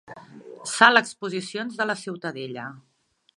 Sala exposicions de la Ciutadella.